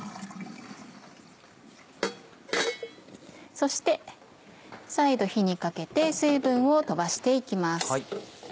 そして再度火にかけて水分を飛ばして行きます。